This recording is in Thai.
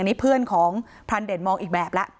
อันนี้เพื่อนของพรรณเดชน์มองอีกแบบแล้ว